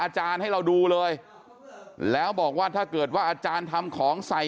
อาจารย์ให้เราดูเลยแล้วบอกว่าถ้าเกิดว่าอาจารย์ทำของใส่